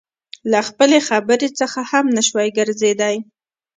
له خپلې خبرې څخه هم نشوى ګرځېدى.